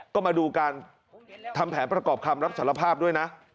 ก็มาดูการทำแผนประกอบคำรับสารภาพด้วยนะ